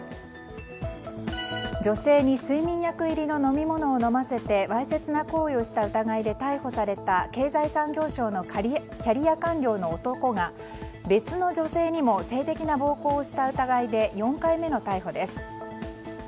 女性に睡眠薬入りの飲み物を飲ませてわいせつな行為をした疑いで逮捕された経済産業省のキャリア官僚の男が別の女性にも性的な暴行をした疑いで４回目の逮捕です。